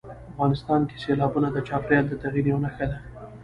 افغانستان کې سیلابونه د چاپېریال د تغیر یوه نښه ده.